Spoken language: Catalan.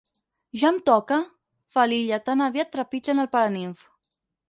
Ja em toca? —fa l'Illa tan aviat trepitgen el paranimf.